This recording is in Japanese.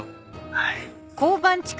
はい。